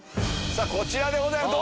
こちらでございます。